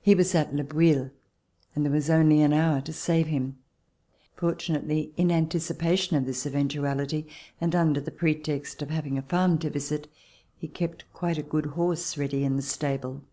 He was at Le Boullh, and there was only an hour to save him. Fortunately, in anticipation of this eventuality, and under the pretext of having a farm to visit, he kept quite a good horse ready in the stable.